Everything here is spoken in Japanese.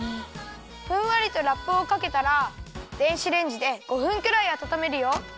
ふんわりとラップをかけたら電子レンジで５分くらいあたためるよ。